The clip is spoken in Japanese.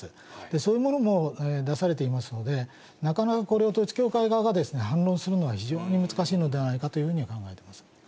そういうものも出されていますので、なかなかこれを統一教会側が反論するのは非常に難しいのではないかというふうに考えてます。